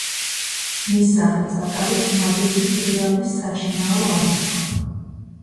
მის სახელს ატარებს „მადრიდის რეალის“ საშინაო არენა.